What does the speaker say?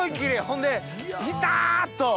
ほんでピタっと。